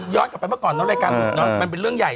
ย้อนกลับไปเมื่อก่อนเนอะรายการมันเป็นเรื่องใหญ่